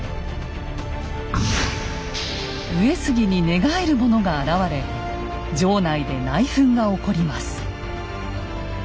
上杉に寝返るものが現れ城内で内紛が起こります。